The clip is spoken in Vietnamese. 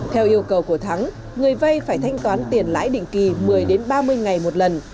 theo yêu cầu của thắng người vay phải thanh toán tiền lãi định kỳ một mươi ba mươi ngày một lần